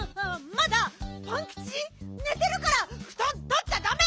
まだパンキチねてるからふとんとっちゃダメ！